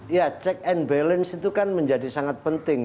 ya check and balance itu kan menjadi sangat penting